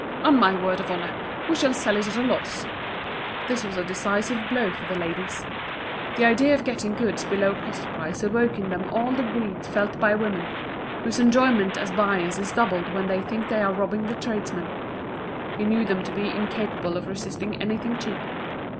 On my word of honour, we shall sell it at a loss." This was a decisive blow for the ladies. The idea of getting goods below cost price awoke in them all the greed felt by women, whose enjoyment as buyers is doubled when they think they are robbing the tradesman. He knew them to be incapable of resisting anything cheap.